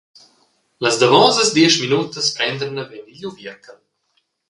Las davosas diesch minutas prender naven igl uvierchel.